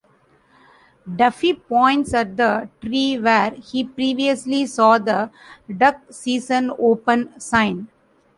Daffy points at the tree where he previously saw the "Duck Season Open" sign.